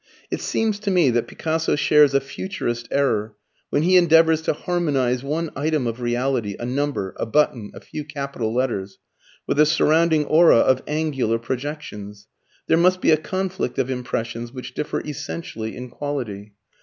It seems to me that Picasso shares a Futurist error when he endeavours to harmonize one item of reality a number, a button, a few capital letters with a surrounding aura of angular projections. There must be a conflict of impressions, which differ essentially in quality.